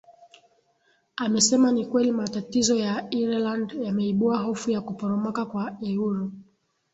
amesema ni kweli matatizo ya ireland yameibua hofu ya kuporomoka kwa euro